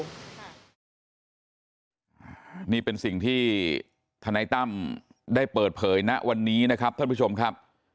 นี่เป็นสิ่งที่ธนายตั้มได้เปิดเผยณวันนี้นะครับท่านผู้ชมครับ